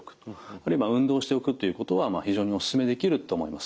あるいは運動をしておくっていうことは非常におすすめできると思います。